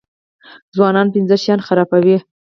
ځوانان پنځه شیان خرابوي.